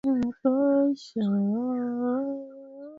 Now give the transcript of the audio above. zinazidi kwa kiwango kikubwa gharama za kuzitekeleza